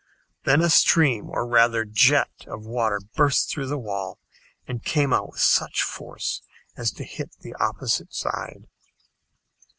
Then a stream, or rather jet, of water burst through the wall and came out with such force as to hit the opposite side!